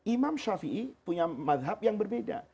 imam shafi'i punya madhab yang berbeda